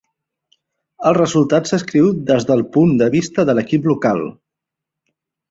El resultat s'escriu des del punt de vista de l'equip local.